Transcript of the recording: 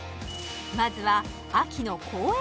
まずは秋の公園